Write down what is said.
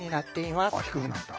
あっ低くなった。